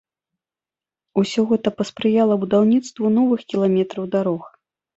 Усё гэта паспрыяла будаўніцтву новых кіламетраў дарог.